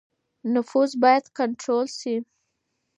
نفوس بايد کنټرول سي.